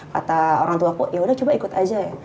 kata orang tuaku yaudah coba ikut aja ya